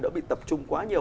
đã bị tập trung quá nhiều